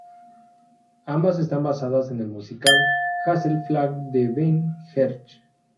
Ambas están basadas en el musical "Hazel Flagg" de Ben Hecht.